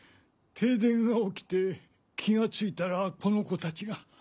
停電が起きて気が付いたらこの子たちが。